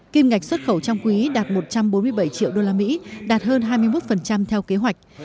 kim ngạch xuất khẩu trong quý đạt một trăm bốn mươi bảy triệu usd đạt hơn hai mươi một theo kế hoạch